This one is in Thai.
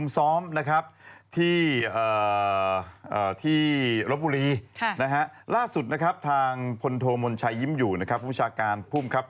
ทำตัวเองนะครับอย่างงั้นจะไปดูเรื่องแรกนะครับ